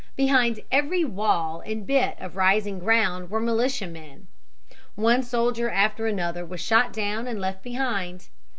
Behind every wall and bit of rising ground were militiamen. One soldier after another was shot down and left behind.